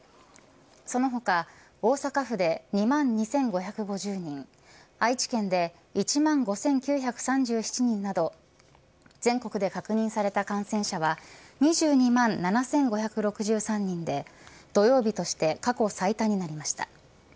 その他、大阪府で２万２５５０人愛知県で１万５９３７人など全国で確認された感染者は２２万７５６３人で土曜日として過去最多になりました。